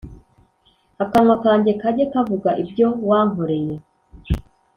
Akannwa kanjye kajye kavuga ibyo wankoreye